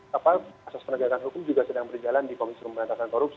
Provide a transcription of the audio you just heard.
kasus penegakan hukum juga sedang berjalan di komisi pemberantasan korupsi